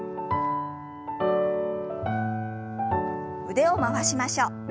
腕を回しましょう。